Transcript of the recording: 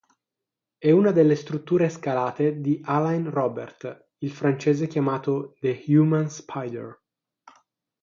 È una delle strutture scalate da Alain Robert, il francese chiamato "The Human Spider".